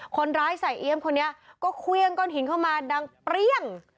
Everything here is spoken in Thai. คนร้ายใส่เอี๊ยมคนนี้ก็เครื่องก้อนหินเข้ามาดังเปรี้ยง